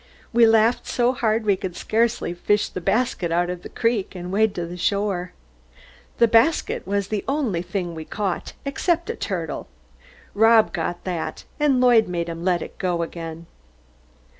We laughed so hard we could scarcely fish the basket out of the creek and wade to shore. The basket was the only thing we caught except a turtle; Rob got that, and Lloyd made him let it go again.